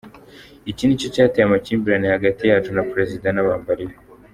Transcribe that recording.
Iki ni cyo cyateye amakimbirane hagati yacu na Perezida n’abambari be.